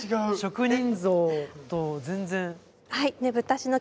職人像と全然。